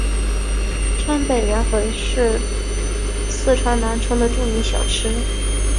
川北凉粉是四川南充的著名小吃。